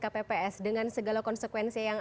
pemilu tahun ini gitu